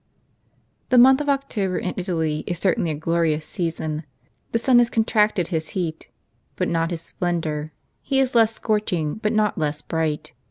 HE month of October in Italy is certainly a glorious season. The sun has con tracted his heat, but not his splendor; he is less scorching, but not less bright.